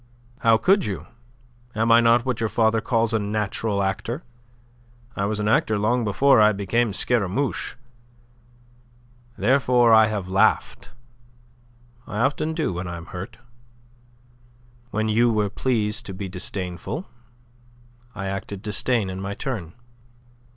"How could you? Am I not what your father calls a natural actor? I was an actor long before I became Scaramouche. Therefore I have laughed. I often do when I am hurt. When you were pleased to be disdainful, I acted disdain in my turn."